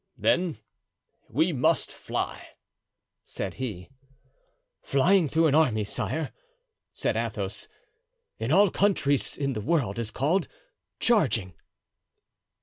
"Then we must fly!" said he. "Flying through an army, sire," said Athos, "in all countries in the world is called charging."